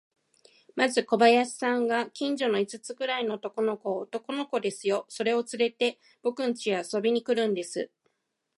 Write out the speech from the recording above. まず小林さんが、近所の五つくらいの男の子を、男の子ですよ、それをつれて、ぼくんちへ遊びに来るんです。